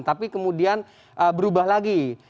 tapi kemudian berubah lagi